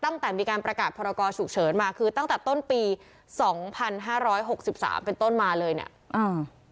ตั้งแต่มีการประกาศพรกรฉุกเฉินมาคือตั้งแต่ต้นปีสองพันห้าร้อยหกสิบสามเป็นต้นมาเลยเนี้ยอ่า